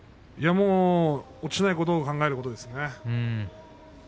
落ちないことを考えることですね。